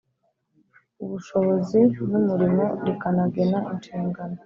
Ubushobozi n Umurimo rikanagena inshingano